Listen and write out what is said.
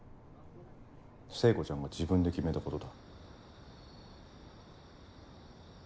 聖子ちゃんが自分で決めたことだ。